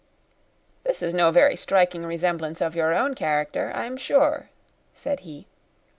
"This is no very striking resemblance of your own character, I am sure," said he.